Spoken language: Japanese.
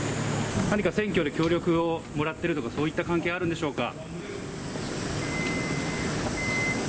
何か選挙で協力をもらっているとか、そういった関係あるんでしょうか？